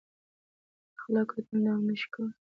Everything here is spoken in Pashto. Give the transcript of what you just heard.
بېاخلاقه ټولنه دوام نهشي کولی.